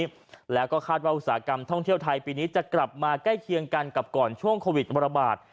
แล้วก็คาดว่าอุตสาหกรรมท่องเที่ยวไทยปีนี้จะกลับมาใกล้เคียงกันกับก่อนช่วงโควิดระบาด